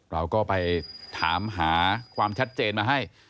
เราก็ไปถามหาความชัดเจนมาให้